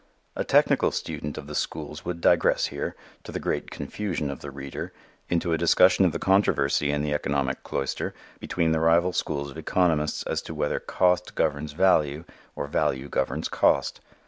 A technical student of the schools would digress here, to the great confusion of the reader, into a discussion of the controversy in the economic cloister between the rival schools of economists as to whether cost governs value or value governs cost.